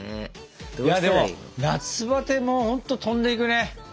いやでも夏バテもほんと飛んでいくね。